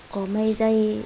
có mấy giây